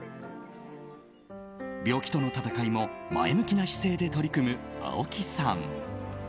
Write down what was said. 病気との闘いも前向きな姿勢で取り組む青木さん。